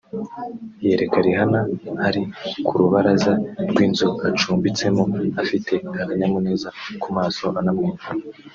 yereka Rihanna ari ku rubaraza rw’inzu acumbtsemo afite akanyamuneza ku maso anamwenyura